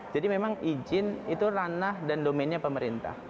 jadi memang izin itu ranah dan domennya pemerintah